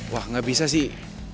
wah gak bisa sih